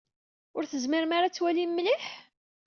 Ur tezmirem ara ad twalim mliḥ?